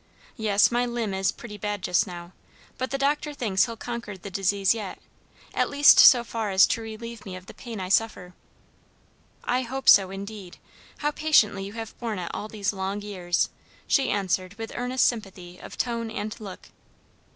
Yes, my limb is pretty bad just now; but the doctor thinks he'll conquer the disease yet; at least so far as to relieve me of the pain I suffer." "I hope so, indeed. How patiently you have borne it all these long years," she answered with earnest sympathy of tone and look.